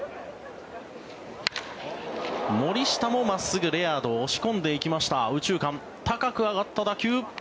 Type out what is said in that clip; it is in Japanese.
森下も真っすぐレアードを押し込んでいきました右中間、高く上がった打球。